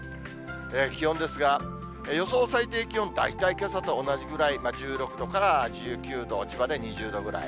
気温ですが、予想最低気温、大体けさと同じぐらい、１６度から１９度、千葉で２０度ぐらい。